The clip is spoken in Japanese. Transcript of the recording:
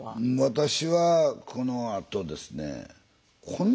私はこのあとですねへえ。